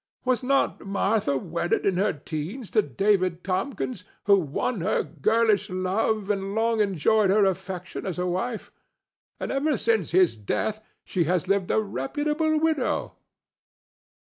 Was not Martha wedded in her teens to David Tomkins, who won her girlish love and long enjoyed her affection as a wife? And ever since his death she has lived a reputable widow!"